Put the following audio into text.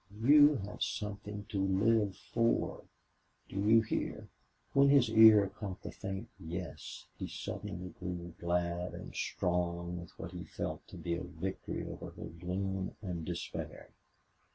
You have something to live for!... Do you hear?" When his ear caught the faint "Yes" he suddenly grew glad and strong with what he felt to be a victory over her gloom and despair.